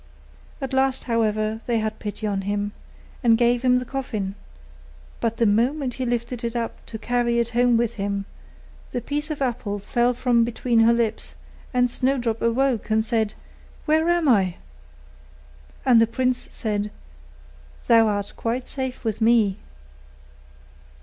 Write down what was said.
At last, however, they had pity on him, and gave him the coffin; but the moment he lifted it up to carry it home with him, the piece of apple fell from between her lips, and Snowdrop awoke, and said, 'Where am I?' And the prince said, 'Thou art quite safe with me.